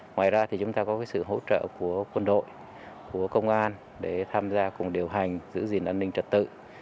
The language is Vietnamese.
ngoài ra thì chúng ta có sự hỗ trợ của quân đội của công an để tham gia cùng điều hành giữ gìn an ninh trật tự